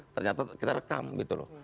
ternyata kita rekam gitu loh